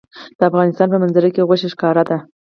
د افغانستان په منظره کې غوښې ښکاره ده.